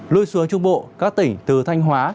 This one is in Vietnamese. lui xuống trung bộ các tỉnh từ thanh hóa